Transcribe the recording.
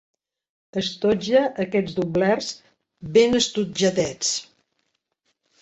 Estotja aquests doblers ben estotjadets.